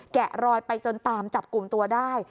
แกะรอยไปจนตามจับกลุ่มตัวได้